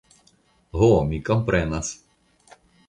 Ho, mi komprenas.